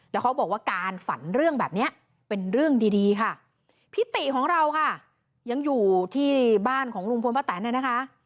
แล้วเขาบอกว่าการฝันเรื่องแบบนี้เป็นเรื่องดีดีค่ะพิติของเราค่ะยังอยู่ที่บ้านของลุงพลป้าแตนนะคะ